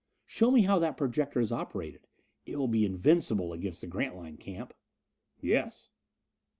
Show me how that projector is operated; it will be invincible against the Grantline camp." "Yes."